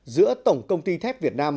giữa tổng công ty thép việt nam